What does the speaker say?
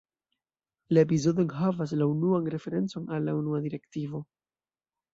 La epizodo enhavas la unuan referencon al la Unua direktivo.